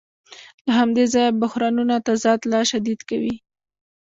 له همدې ځایه بحرانونه تضاد لا شدید کوي